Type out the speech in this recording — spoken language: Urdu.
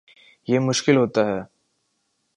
یہ مشکل ہوتا ہے